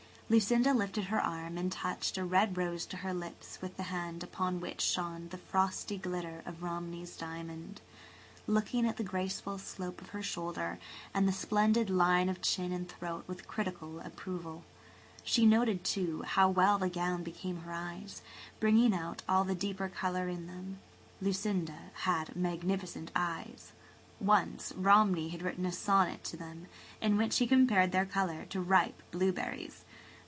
Lucinda lifted her arm and touched a red rose to her lips with the hand upon which shone the frosty glitter of Romney's diamond, looking at the graceful slope of her shoulder and the splendid line of chin and throat with critical approval. She noted, too, how well the gown became her eyes, bringing out all the deeper colour in them. Lucinda had magnificent eyes. Once Romney had written a sonnet to them in which he compared their colour to ripe blueberries.